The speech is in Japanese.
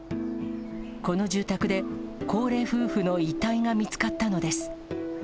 この住宅で、高齢夫婦の遺体が見つかったのです。